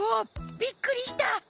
びっくりした！